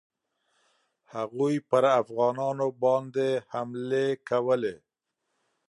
هغوی پر افغانانو باندي حملې کولې.